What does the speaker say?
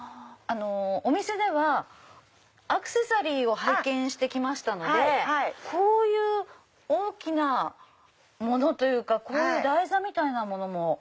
お店ではアクセサリーを拝見して来ましたのでこういう大きなものというかこういう台座みたいなものも。